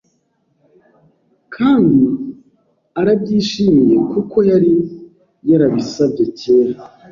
Kandi arabyishimiye kuko yari yarabisabyekera